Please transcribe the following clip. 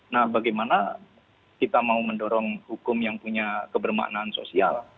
nah bagaimana kita mau mendorong hukum yang punya kebermaknaan sosial